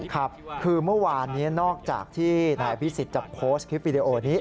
ครับคือเมื่อวานนี้นอกจากที่นายพิสิทธิ์จะโพสต์คลิปวิดีโอนี้